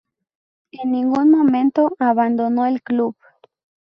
En ningún momento abandonó el club.